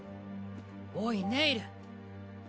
おいネイル！